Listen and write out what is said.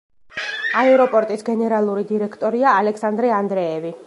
აეროპორტის გენერალური დირექტორია ალექსანდრე ანდრეევი.